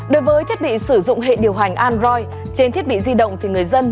đối với thiết bị sử dụng hệ điều hành android trên thiết bị di động thì người dân